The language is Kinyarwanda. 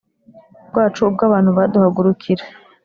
Rwacu ubwo abantu baduhagurukira